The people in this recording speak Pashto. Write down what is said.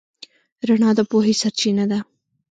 رڼا د پوهې سرچینه ده.